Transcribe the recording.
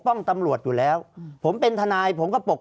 ภารกิจสรรค์ภารกิจสรรค์